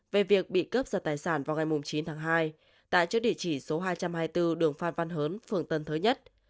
về việc bị cướp giật tài sản vào ngày chín tháng hai tại chỗ địa chỉ số hai trăm hai mươi bốn đường phan văn hớn phường tân thới nhất